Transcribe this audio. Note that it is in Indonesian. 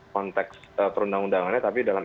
konteks perundang undangannya tapi dalam